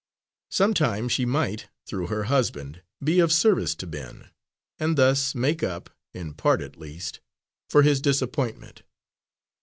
Sometime she might, through her husband, be of service to Ben, and thus make up, in part at least, for his disappointment.